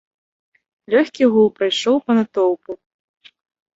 Лёгкі гул прайшоў па натоўпу.